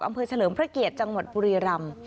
อำเภยเฉลิมพระเกียจจังหวัดปุรีรำ